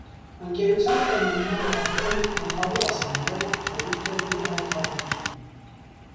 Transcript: Ընկերություն տնօրինման օղակներն են «գլխավոր ասամբլեան», «խորհուրդը» և «ղեկավարությունը»։